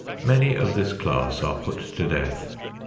Many of this class are put to death.